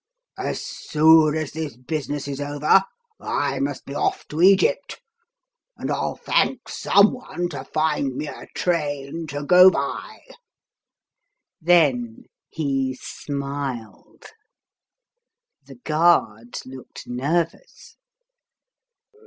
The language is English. As soon as this business is over, I must be off to Egypt, and I'll thank some one to find me a train to go by." Then he smiled. The guard looked nervous.